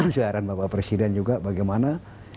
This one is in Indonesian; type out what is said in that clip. saya harap dengan bapak presiden juga bagaimana